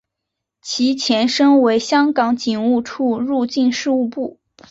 其前身为香港警务处入境事务部。